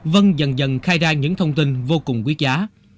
vân dần dần khai ra những thông tin vô cùng quý giá